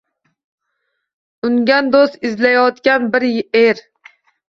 Ungan do‘st izlayotgan bir er.